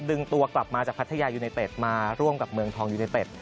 ดึงตัวกลับมาจากพัทยายูไนเต็ดมาร่วมกับเมืองทองยูเนเต็ด